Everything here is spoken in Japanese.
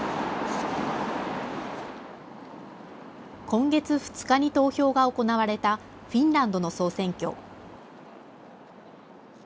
今月２日に投票が行われた、フィンランドの総選挙。